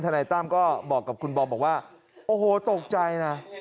นายตั้มก็บอกกับคุณบอมบอกว่าโอ้โหตกใจนะ